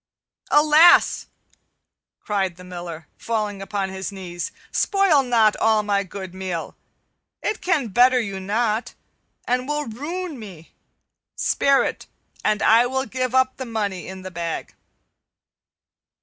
"Alas!" cried the Miller, falling upon his knees, "spoil not all my good meal! It can better you not, and will ruin me. Spare it, and I will give up the money in the bag."